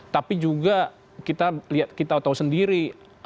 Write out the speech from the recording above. tapi juga kita tahu sendiri